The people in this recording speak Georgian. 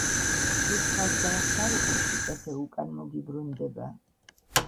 თუ სხვას დაეხმარები სიკეთე უკან მოგიბრუნდება.